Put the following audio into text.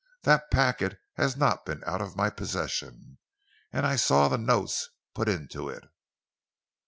"That packet has not been out of my possession, and I saw the notes put into it."